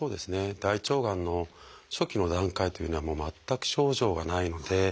大腸がんの初期の段階というのは全く症状がないので。